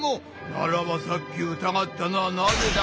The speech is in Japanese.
ならばさっき疑ったのはなぜだ？